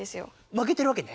負けてるわけね？